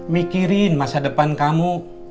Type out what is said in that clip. mikirin masa depan kamu